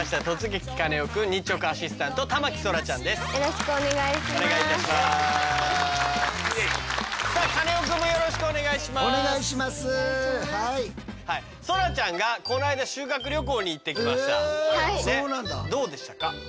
どうでしたか？